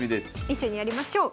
一緒にやりましょう。